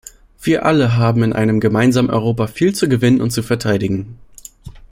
Wir alle haben in einem gemeinsamen Europa viel zu gewinnen und zu verteidigen.